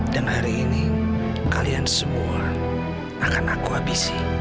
dan hari ini kalian semua akan aku abisi